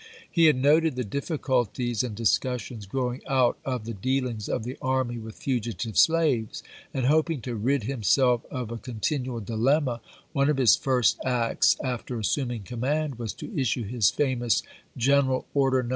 He had noted the difficulties and discussions gi'owing out of the dealings of the army with fugitive slaves, and, hoping to rid himself of a continual dilemma, one of his first acts after assuming command was to issue his famous Greneral Order No.